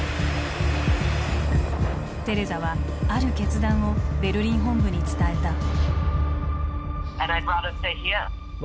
テレザはある決断をベルリン本部に伝えた。